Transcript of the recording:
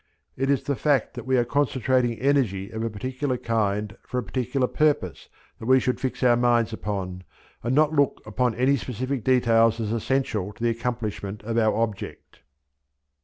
It is the fact that we are concentrating energy of a particular kind for a particular purpose that we should fix our minds upon, and not look upon any specific details as essential to the accomplishment of our object.